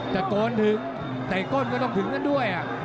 ตะโกนถึงเตะก้นก็ต้องถึงกันด้วย